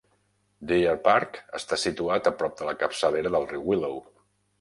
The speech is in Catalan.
Deer Park està situat a prop de la capçalera del riu Willow.